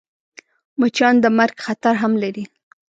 مچان د مرګ خطر هم لري